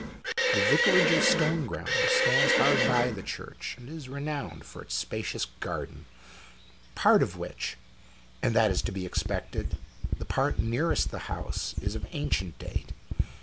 The Vicarage of Stoneground stands hard by the Church, and is renowned for its spacious garden, part of which, and that (as might be expected) the part nearest the house, is of ancient date.